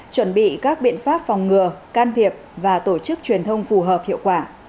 chuẩn bị các biện pháp phòng ngừa can thiệp và tổ chức truyền thông phù hợp hiệu quả